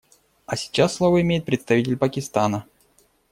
А сейчас слово имеет представитель Пакистана.